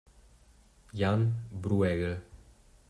Jan Brueghel